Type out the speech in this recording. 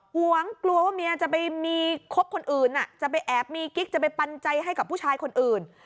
วงกลัวว่าเมียจะไปมีคบคนอื่นจะไปแอบมีกิ๊กจะไปปันใจให้กับผู้ชายคนอื่น